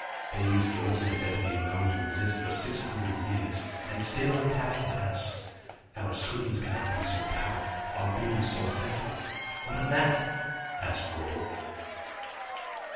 They use the Ultimate Energy known to exist for six hundred years, and still untapped by us. Our screens cannot be so powerful, our beams so effective. What of that?" asked Roal.